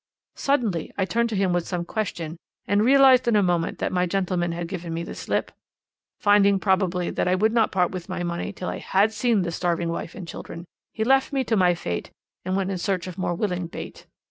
"'Suddenly I turned to him with some question, and realized in a moment that my gentleman had given me the slip. Finding, probably, that I would not part with my money till I had seen the starving wife and children, he left me to my fate, and went in search of more willing bait.